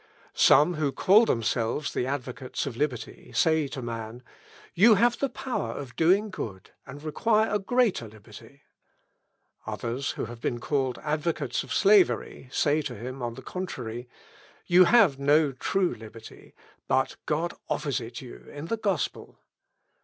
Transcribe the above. Some who call themselves the advocates of liberty, say to man, "You have the power of doing good, and require a greater liberty." Others, who have been called advocates of slavery, say to him, on the contrary, "You have no true liberty; but God offers it to you in the gospel."